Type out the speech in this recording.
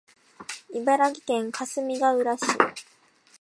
茨城県かすみがうら市